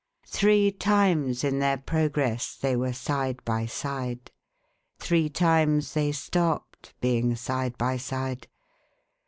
Three times, in their progress, they were side by side. Three times they stopped, being side by side.